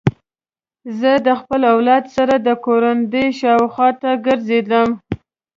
زه د خپل اولاد سره د کوروندې شاوخوا ګرځم.